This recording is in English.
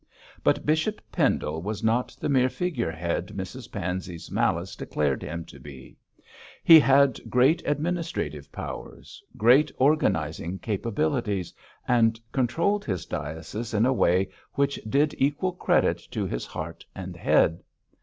But Bishop Pendle was not the mere figure head Mrs Pansey's malice declared him to be; he had great administrative powers, great organising capabilities, and controlled his diocese in a way which did equal credit to his heart and head.